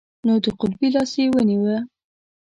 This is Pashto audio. نو د قبطي لاس یې ونیوه.